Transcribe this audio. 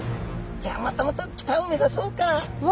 「じゃあもっともっと北を目指そうか」。